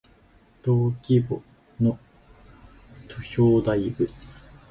登記簿の表題部